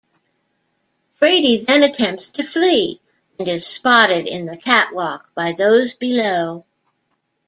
Frady then attempts to flee, and is spotted in the catwalk by those below.